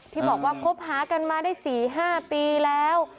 ที่บอกว่าคบหากันมาได้๔๕ปีแล้ว